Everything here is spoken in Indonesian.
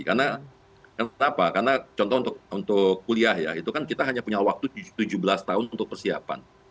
karena contoh untuk kuliah ya itu kan kita hanya punya waktu tujuh belas tahun untuk persiapan